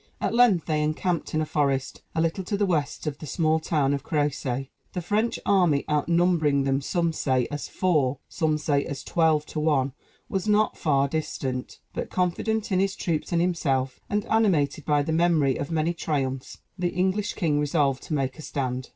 At length they encamped in a forest, a little to the west of the small town of Crécy. The French army, outnumbering them some say as four, some say as twelve to one, was not far distant; but, confident in his troops and himself, and animated by the memory of many triumphs, the English king resolved to make a stand.